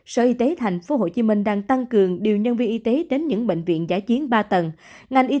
sở y tế tp hcm đang tăng cường điều nhân viên y tế đến những bệnh viện giải chiến ba tầng y